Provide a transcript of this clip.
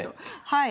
はい。